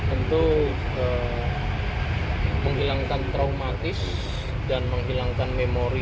untuk menghilangkan traumatis dan menghilangkan memori